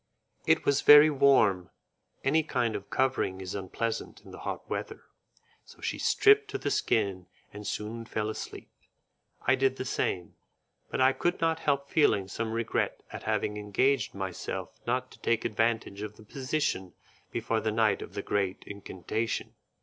It was very warm, any kind of covering is unpleasant in the hot weather, so she stripped to the skin and soon fell asleep. I did the same, but I could not help feeling some regret at having engaged myself not to take advantage of the position before the night of the great incantation.